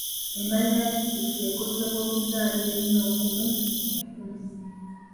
Embalirira ya disitulikiti ekosebwa okuzaalira ennyo okumu mu kitundu.